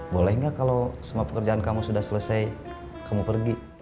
boleh nggak kalau semua pekerjaan kamu sudah selesai kamu pergi